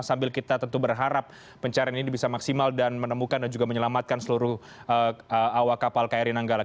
sambil kita tentu berharap pencarian ini bisa maksimal dan menemukan dan juga menyelamatkan seluruh awak kapal kri nanggala